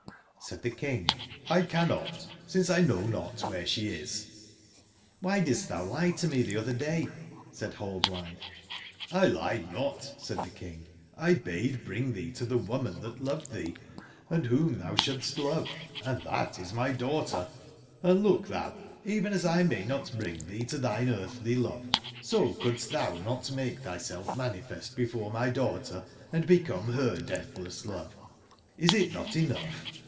"j!?Said the King: "lcannot, sincelknow not where she is "jj^"^hy didst thou lie to me the other day ?" said Hallblithe jff "1 lied not," said the King; "1 bade bring thee to the woman that loved thee, and whom thou shouldst love; and that is my daughter. Hnd look thou t Gven as 1 may not bring thee to thine earthly love, so couldst thou not make thyself manifest before my daughter, and become her deathless love. Is it not enough?"